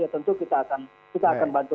ya tentu kita akan bantu